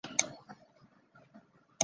当时名为莫斯基托县。